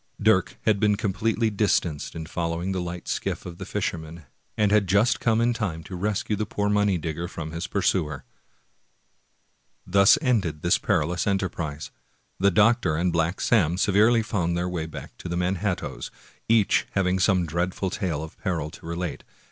Dirk had been completely distanced in following the light skiff of the fisherman, and had just come in time to rescue the poor money digger from his pursuer. Thus ended this perilous enterprise. The doctor and Black Sam severally found their way back to the Manhat toes, each having some dreadful tale of peril to relate.